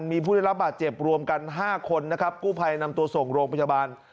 มีผู้ได้รับบาดเจ็บรวมกัน๕คนนะครับกู้ภัยนำตัวส่งโรงพยาบาล